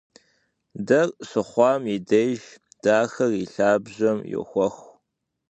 Дэр щыхъуам и деж дэхэр и лъабжьэм йохуэх.